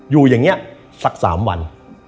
อยู่อย่างนี้สัก๓วัน